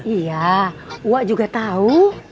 iya wak juga tau